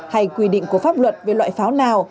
hay quy định của pháp luật về loại pháo nào